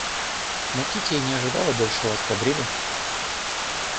Но Кити и не ожидала большего от кадрили.